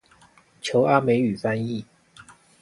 求阿美語翻譯